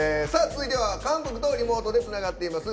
続いては韓国とリモートでつながっています。